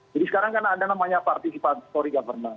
jadi sekarang kan ada namanya participatory government